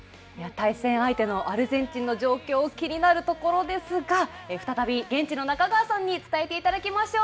対戦相手のアルゼンチンの状況、気になるところですが、再び現地の中川さんに伝えてもらいましょう。